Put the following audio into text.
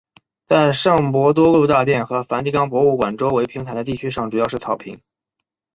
在圣伯多禄大殿和梵蒂冈博物馆周围平坦的地区上主要是草坪。